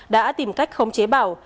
đã tìm cách khống chế bảo